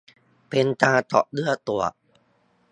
เป็นการเจาะเลือดตรวจ